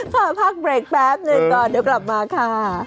ขอพักเบรกแป๊บหนึ่งก่อนเดี๋ยวกลับมาค่ะ